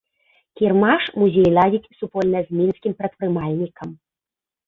Кірмаш музей ладзіць супольна з мінскім прадпрымальнікам.